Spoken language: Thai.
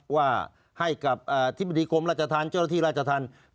ว่าให้กับอธิบดีกรมราชธรรมเจ้าหน้าที่ราชธรรม